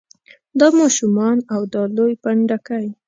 دا ماشومان او دا لوی پنډکی.